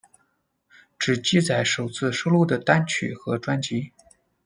只记载首次收录的单曲和专辑。